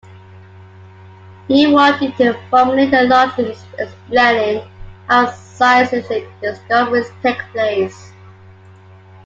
He wanted to formulate a logic explaining how scientific discoveries take place.